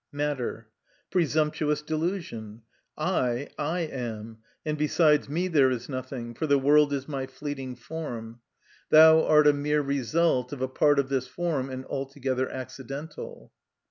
Matter. Presumptuous delusion! I, I am, and besides me there is nothing, for the world is my fleeting form. Thou art a mere result of a part of this form and altogether accidental.